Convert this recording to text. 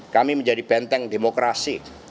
kami menjadi benteng demokrasi